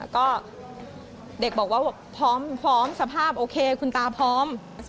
ก็เด็กบอกว่าพร้อมสภาพโอเคคุณตาพร้อม